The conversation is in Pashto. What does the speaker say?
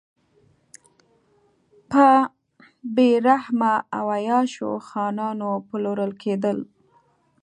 په بې رحمه او عیاشو خانانو پلورل کېدل.